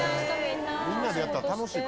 みんなでやったら楽しいかも。